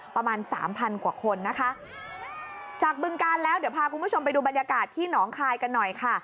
ประมาณสามพันกว่าคนนะคะจากบึงการแล้วเดี๋ยวพาคุณผู้ชมไปดูบรรยากาศที่หนองคายกันหน่อยค่ะ